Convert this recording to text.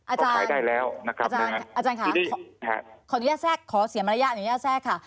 อาจารย์ขอเสียมารยะขออนุญาตแทรกค่ะ